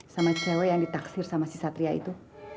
sama cewek yang ditaksir sama si satria itu